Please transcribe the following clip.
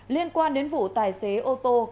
liên quan đến vụ tài xế ô tô